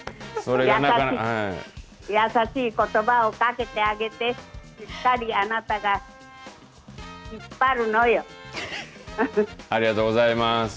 やさしいことばをかけてあげてしっかりあなたがありがとうございます。